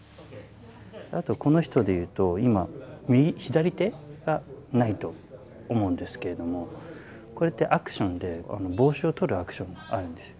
あとこの人で言うと今左手がないと思うんですけれどもこれってアクションで帽子を取るアクションがあるんですよ。